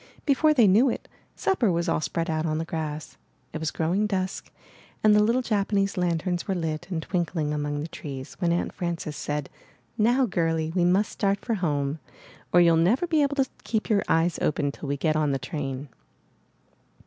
Before they knew it, supper was all spread out on the grass. It was growing dusk, and the little Japanese lanterns were lit and twinkling among the trees, when Aunt Frances said: *'Now, girlie, we must start for home, or you'll never be able to keep your eyes open till we get on the train."